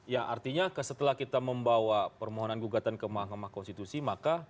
ya artinya setelah kita membawa permohonan gugatan ke mahkamah konstitusi maka